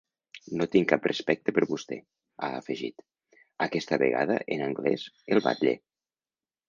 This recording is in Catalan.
No tinc cap respecte per vostè, ha afegit, aquesta vegada en anglès, el batlle.